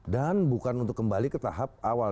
dan bukan untuk kembali ke tahap awal